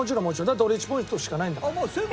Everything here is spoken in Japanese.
だって俺１ポイントしかないんだから。